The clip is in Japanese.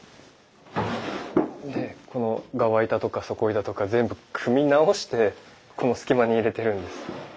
でこの側板とか底板とか全部組み直してこの隙間に入れてるんです。